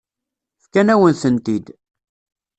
Fkan-awen-tent-id.